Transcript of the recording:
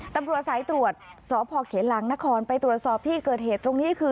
ตำรวจสายตรวจสพเขลังนครไปตรวจสอบที่เกิดเหตุตรงนี้คือ